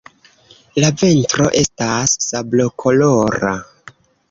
La ventro estas sablokolora.